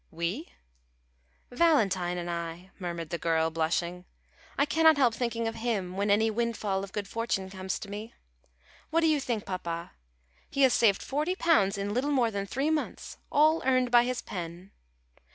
"We!" "Valentine and I," murmured the girl, blushing. "I cannot help thinking of him when any windfall of good fortune comes to me. What do you think, papa? He has saved forty pounds in little more than three months all earned by his pen!